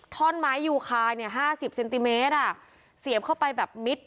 ท่อนไม้ยูคาเนี่ย๕๐เซนติเมตรอ่ะเสียบเข้าไปแบบมิด